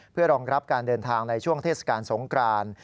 เพื่อรองรับการเดินทางในช่วงเทศกาลสงคราน